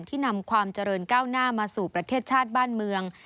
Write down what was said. นำความเจริญก้าวหน้ามาสู่ประเทศชาติบ้านเมือง